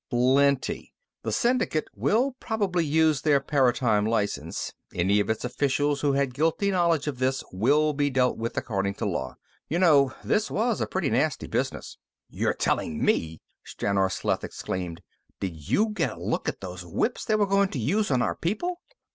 "Plenty. The syndicate will probably lose their paratime license; any of its officials who had guilty knowledge of this will be dealt with according to law. You know, this was a pretty nasty business." "You're telling me!" Stranor Sleth exclaimed. "Did you get a look at those whips they were going to use on our people?